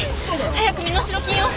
早く身代金を！